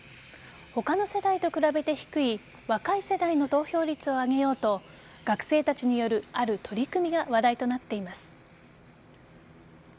他の世代と比べて低い若い世代の投票率を上げようと学生たちによるある取り組みが話題となっています。